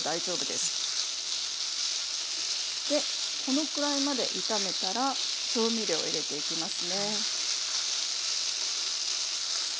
でこのくらいまで炒めたら調味料を入れていきますね。